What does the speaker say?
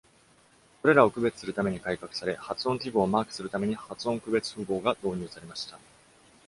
これらを区別するために改革され、発音記号をマークするために発音区別符号が導入されました。